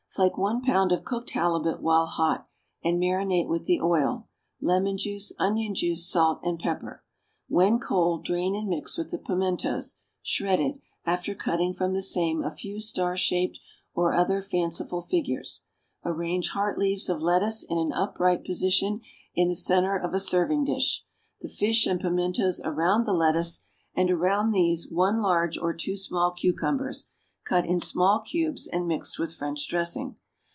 _ Flake one pound of cooked halibut while hot, and marinate with the oil, lemon juice, onion juice, salt and pepper. When cold drain and mix with the pimentos, shredded, after cutting from the same a few star shaped or other fanciful figures. Arrange heart leaves of lettuce in an upright position in the centre of a serving dish, the fish and pimentos around the lettuce, and, around these, one large or two small cucumbers, cut in small cubes and mixed with French dressing.